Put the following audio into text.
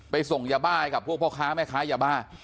ส่งยาบ้าให้กับพวกพ่อค้าแม่ค้ายาบ้า